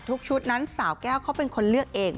ชุดนั้นสาวแก้วเขาเป็นคนเลือกเอง